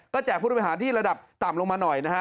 แจกผู้บริหารที่ระดับต่ำลงมาหน่อยนะฮะ